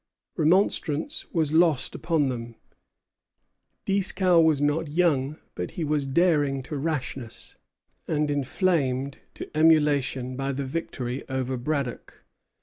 Remonstrance was lost upon them. Dieskau was not young, but he was daring to rashness, and inflamed to emulation by the victory over Braddock.